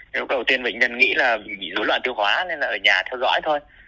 nếu đầu tiên bệnh nhân nghĩ là bị lũ loạn tiêu hóa nên là ở nhà theo dõi thôi